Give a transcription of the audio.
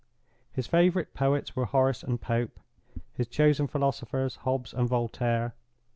His favorite poets were Horace and Pope; his chosen philosophers, Hobbes and Voltaire.